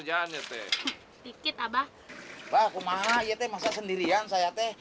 abah kemana iya teh masa sendirian saya teh